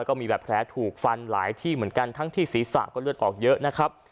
ก็มีแบบแผลถูกฟันหลายที่เหมือนกันทั้งที่ศีรษะก็เลือดออกเยอะนะครับ